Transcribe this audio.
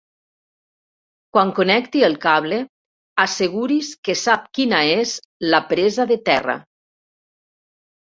Quan connecti el cable, asseguris que sap quina és la presa de terra.